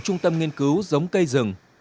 trường phòng nghiên cứu giống cây rừng